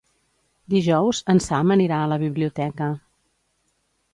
Dijous en Sam anirà a la biblioteca.